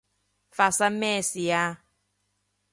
發生咩事啊？